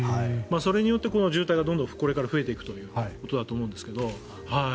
それによってこの渋滞がこれからどんどん増えていくということだと思うんですが。